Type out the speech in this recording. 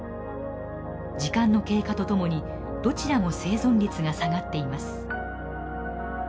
時間の経過とともにどちらも生存率が下がっています。